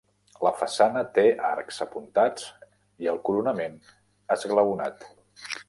La façana té arcs apuntats i el coronament esglaonat.